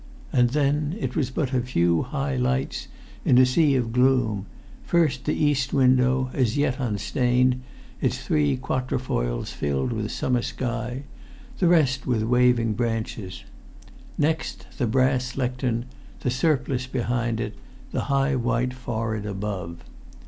And then it was but a few high lights in a sea of gloom: first the east window, as yet unstained, its three quatrefoils filled with summer sky, the rest with waving branches; next, the brass lectern, the surplice behind it, the high white forehead above.